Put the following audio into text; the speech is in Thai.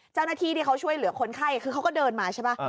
เจ้าหน้าที่ที่เขาช่วยเหลือคนไข้คือเขาก็เดินมาใช่ป่ะ